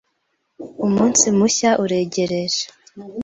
Umunsi mushya uregereje.